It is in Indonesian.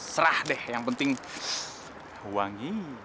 serah deh yang penting wangi